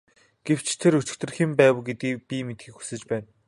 Гэвч тэр өчигдөр хэн байв гэдгийг би мэдэхийг хүсэж байна.